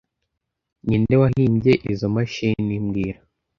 Ninde wahimbye izoi mashini mbwira